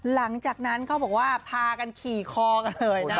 หลังจากนั้นเขาบอกว่าพากันขี่คอกันเลยนะ